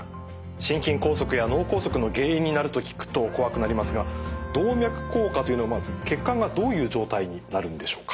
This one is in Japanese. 心筋梗塞や脳梗塞の原因になると聞くと怖くなりますが動脈硬化というのはまず血管がどういう状態になるんでしょうか？